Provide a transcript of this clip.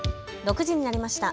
６時になりました。